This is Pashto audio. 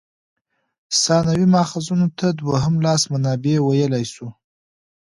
ثانوي ماخذونو ته دوهم لاس منابع ویلای سو.